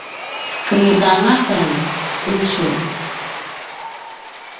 kemuda anga ken tucu?